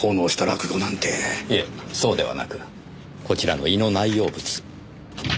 いえそうではなくこちらの胃の内容物。